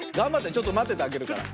ちょっとまっててあげるから。